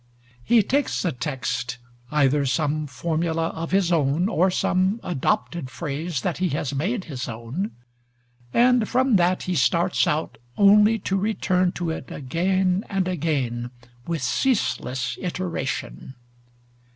He takes a text, either some formula of his own or some adopted phrase that he has made his own, and from that he starts out only to return to it again and again with ceaseless iteration.